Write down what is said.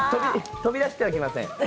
飛び出してはきません。